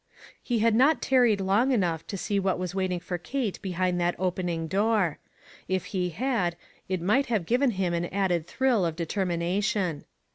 He had not tarried long enough to see what was waiting for Kate behind that opening door. If he had, it might have given him an added thrill of determination.